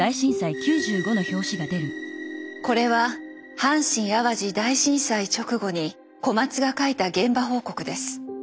これは阪神・淡路大震災直後に小松が書いた現場報告です。